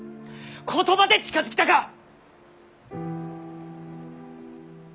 言葉で近づきたか。